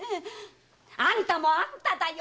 あんたもあんただよ！